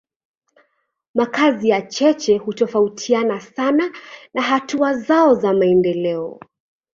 Makazi ya cheche hutofautiana sana na hatua zao za maendeleo.